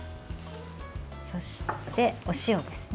そして、お塩ですね。